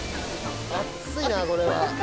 熱いなこれは。